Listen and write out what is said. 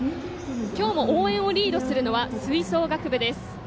今日も応援をリードするのは吹奏楽部です。